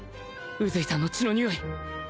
宇髄さんの血のにおい！